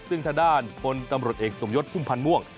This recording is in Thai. ซึ่งทางด้านพลตำรวจเอกสมยศพุ่มพันธ์ม่วง